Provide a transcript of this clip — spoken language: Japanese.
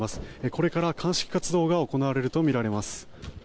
これから鑑識活動が行われるとみられます」